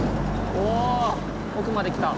お奥まで来た。